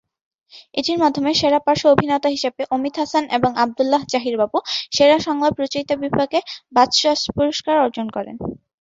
এটির মাধ্যমে সেরা পার্শ্ব অভিনেতা হিসাবে অমিত হাসান এবং আবদুল্লাহ জহির বাবু সেরা সংলাপ রচয়িতা বিভাগে বাচসাস পুরস্কার অর্জন করেন।